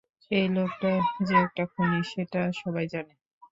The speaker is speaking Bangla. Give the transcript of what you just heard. এই লোকটা যে একটা খুনি, সেটা সবাই জানে।